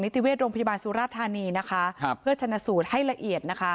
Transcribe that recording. นิติเวทโรงพยาบาลสุรทานีเพื่อจรรย์สูตรให้ละเอียด